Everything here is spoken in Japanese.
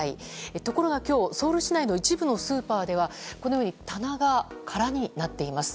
ところが今日、ソウル市内の一部のスーパーではこのように棚が空になっています。